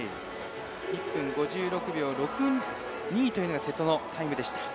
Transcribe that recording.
１分５６秒６２という瀬戸のタイムでした。